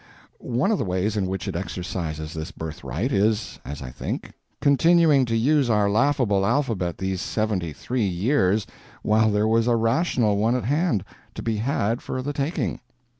One of the ways in which it exercises this birthright is—as I think—continuing to use our laughable alphabet these seventy three years while there was a rational one at hand, to be had for the taking.